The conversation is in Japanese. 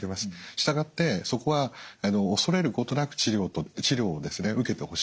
従ってそこは恐れることなく治療を受けてほしいと思います。